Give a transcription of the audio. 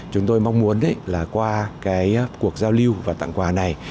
chúng tôi mong muốn qua cuộc giao lưu và tặng quà này